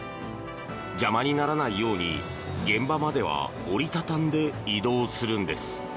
邪魔にならないように現場までは折り畳んで移動するんです。